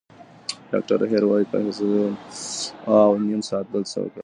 ډاکټره هیر وايي، پاڅېږئ او نیم ساعت بل څه وکړئ.